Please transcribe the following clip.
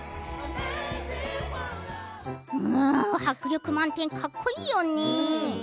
迫力満点、かっこいいよね。